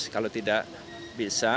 kalau tidak bisa